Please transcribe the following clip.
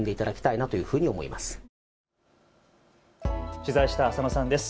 取材した浅野さんです。